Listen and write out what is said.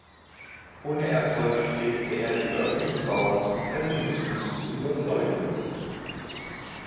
Ohne Erfolg strebte er die örtlichen Bauern zum Calvinismus zu überzeugen.